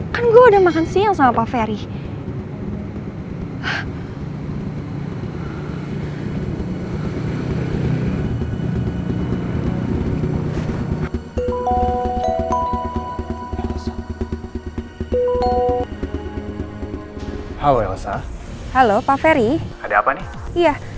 kan gue udah makan siang sama pak ferry